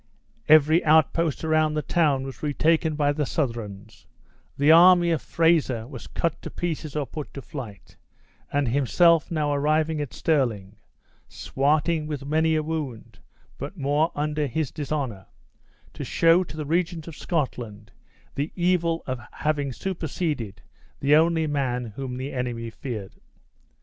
Every outpost around the town was retaken by the Southrons, the army of Fraser was cut to pieces or put to flight, and himself now arriving at Stirling, smarting with many a wound but more under his dishonor, to show to the Regent of Scotland the evil of having superseded the only man whom the enemy feared.